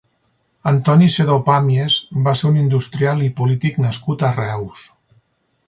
Antoni Sedó Pàmies va ser un industrial i polític nascut a Reus.